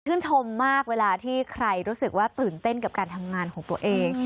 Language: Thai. ชมมากเวลาที่ใครรู้สึกว่าตื่นเต้นกับการทำงานของตัวเอง